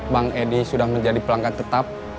bang edi sudah menjadi pelanggan tetap